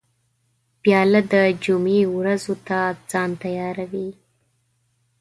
پیاله د جمعې ورځو ته ځان تیاروي.